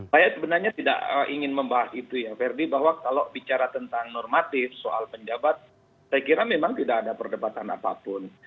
saya sebenarnya tidak ingin membahas itu ya ferdi bahwa kalau bicara tentang normatif soal penjabat saya kira memang tidak ada perdebatan apapun